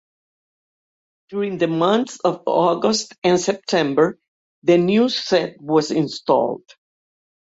During the months of August and September, the new set was installed.